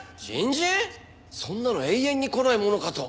そんなの永遠に来ないものかと。